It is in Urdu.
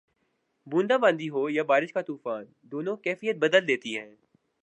بوندا باندی ہو یا بارش کا طوفان، دونوں کیفیت بدل دیتے ہیں